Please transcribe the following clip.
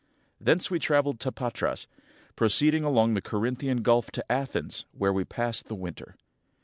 Thence we traveled to Patras, proceeding along the Corinthian Gulf to [xii] Athens, where we passed the winter.